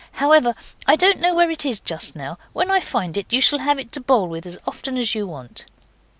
However, I don't know where it is just now. When I find it you shall have it to bowl with as often as you want.